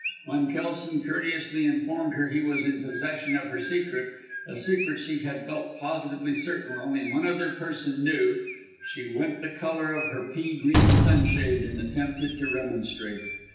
When Kelson courteously informed her he was in possession of her secret a secret she had felt positively certain only one other person knew, she went the colour of her pea green sunshade and attempted to remonstrate.